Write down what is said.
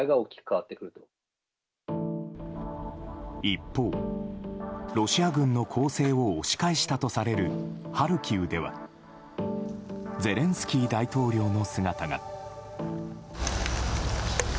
一方、ロシア軍の攻勢を押し返したとされるハルキウではゼレンスキー大統領の姿が。